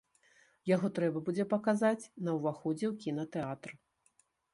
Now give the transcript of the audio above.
Яго трэба будзе паказаць на ўваходзе ў кінатэатр.